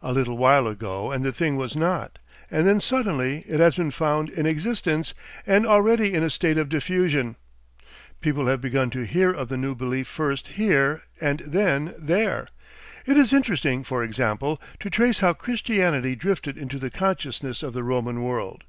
A little while ago and the thing was not; and then suddenly it has been found in existence, and already in a state of diffusion. People have begun to hear of the new belief first here and then there. It is interesting, for example, to trace how Christianity drifted into the consciousness of the Roman world.